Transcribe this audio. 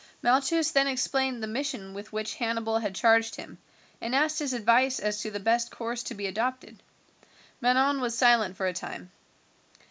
Malchus then explained the mission with which Hannibal had charged him, and asked his advice as to the best course to be adopted. Manon was silent for a time.